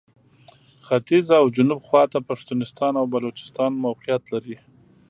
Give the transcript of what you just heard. ختیځ او جنوب خواته پښتونستان او بلوچستان موقعیت لري.